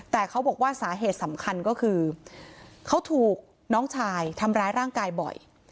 แต่เขาบอกว่าสาเหตุสำคัญก็คือเขาถูกน้องชายทำร้ายร่างกายบ่อย